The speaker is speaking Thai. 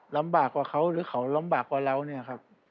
ลำบากกว่าเขาหรือเขาลำบากกว่าเราเนี่ยครับ